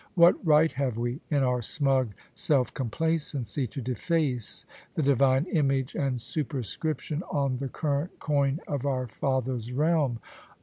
What right have we, in our smug self complacency, to deface the Divine Image and Superscription on the current coin of our Father's realm?